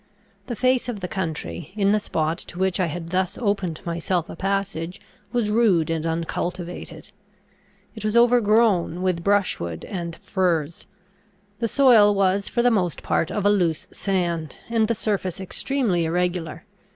The face of the country, in the spot to which I had thus opened myself a passage, was rude and uncultivated. It was overgrown with brushwood and furze; the soil was for the most part of a loose sand; and the surface extremely irregular.